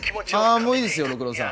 あもういいですよ六郎さん。